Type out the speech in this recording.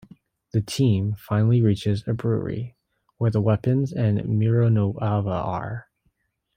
The team finally reaches a brewery where the weapons and Mironoava are.